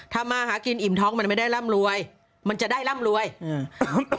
มาหากินอิ่มท้องมันไม่ได้ร่ำรวยมันจะได้ร่ำรวยอืม